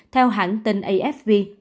theo hãng tên afv